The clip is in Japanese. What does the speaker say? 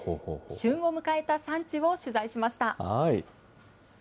旬を迎えた産地を取材しました。